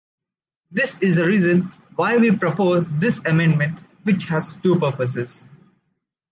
This is the reason why we propose this amendment which has two purposes.